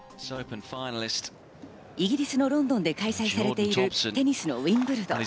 イギリスのロンドンで開催されているテニスのウィンブルドン。